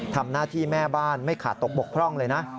ทำหน้าที่แม่บ้านไม่ขาดตกบกพร่องเลยนะ